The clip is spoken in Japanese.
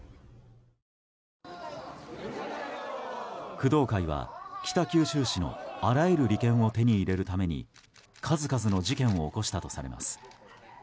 工藤会は北九州市のあらゆる利権を手に入れるために数々の事件を起こしたとされます。